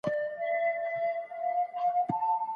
پرمختیا باید دوامداره وي.